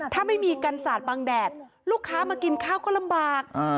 ถ้าไม่มีกันสาดบางแดดลูกค้ามากินข้าวก็ลำบาก